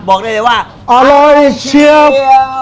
บอกได้เลยว่าอร่อยเชียบ